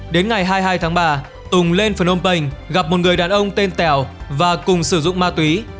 đến ngày hai mươi hai tháng ba tùng lên phnom penh gặp một người đàn ông tên tèo và cùng sử dụng ma túy